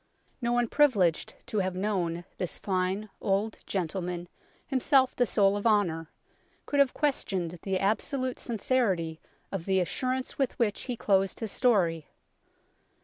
No one privileged to have known this fine old gentleman, himself the soul of honour, could have questioned the absolute sincerity of the assurance with which he closed his story.